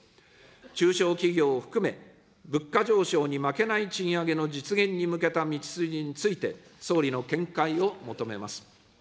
中小企業を含め、物価上昇に負けない賃上げの実現に向けた道筋について、総理の見解を求めます。